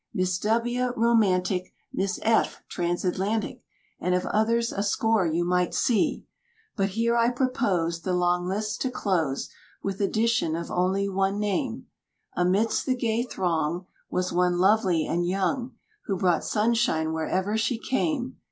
Miss W , romantic, Miss F , transatlantic, And of others a score you might see. But here I propose The long list to close, With addition of only one name; Amidst the gay throng Was one lovely and young, Who brought sunshine wherever she came.